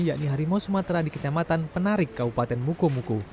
yakni harimau sumatera di kecamatan penarik kabupaten mukomuko